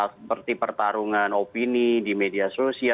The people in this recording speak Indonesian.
seperti pertarungan opini di media sosial